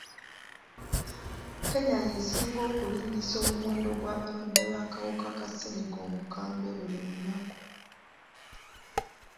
Kenya y'esinga okulinyisa omuwendo gw'abalwadde b'akawuka ka ssenyga omukambwe buli lunaku.